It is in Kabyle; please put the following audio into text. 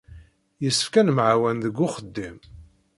Yessefk ad nemɛawan deg uxeddim.